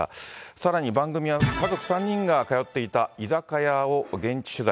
さらに番組は家族３人が通っていた居酒屋を現地取材。